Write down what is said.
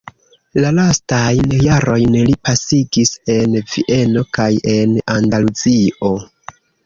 La lastajn jarojn li pasigis en Vieno kaj en Andaluzio.